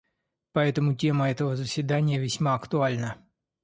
Поэтому тема этого заседания весьма актуальна.